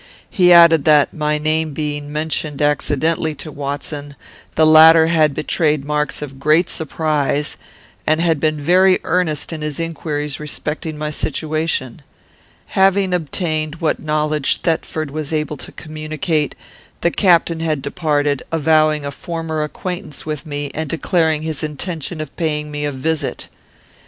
He added that, my name being mentioned accidentally to Watson, the latter had betrayed marks of great surprise, and been very earnest in his inquiries respecting my situation. Having obtained what knowledge Thetford was able to communicate, the captain had departed, avowing a former acquaintance with me, and declaring his intention of paying me a visit.